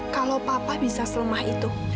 kalau papa bisa selemah itu